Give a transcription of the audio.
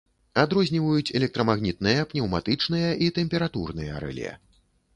Адрозніваюць электрамагнітныя, пнеўматычныя і тэмпературныя рэле.